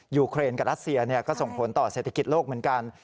ยูเครนกับรัสเซียก็ส่งผลต่อเศรษฐกิจโลกเหมือนกัน